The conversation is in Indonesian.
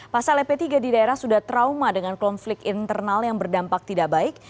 pasalnya p tiga di daerah sudah trauma dengan konflik internal yang berdampak tidak baik